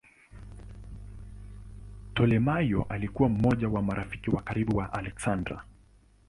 Ptolemaio alikuwa mmoja wa marafiki wa karibu wa Aleksander.